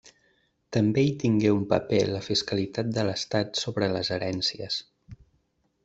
També hi tingué un paper la fiscalitat de l'estat sobre les herències.